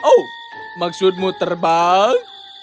oh maksudmu terbang